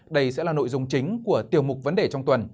đây sẽ là nội dung chính của tiêu mục vấn đề trong tuần